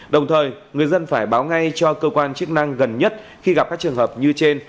đồng thời người dân phải báo ngay cho cơ quan chức năng gần nhất khi gặp các trường hợp như trên